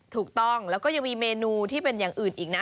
ถูกต้องแล้วก็ยังมีเมนูที่เป็นอย่างอื่นอีกนะ